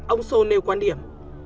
ông sô nêu quan điểm